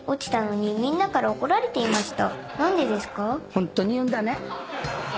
ホントに言うんだね。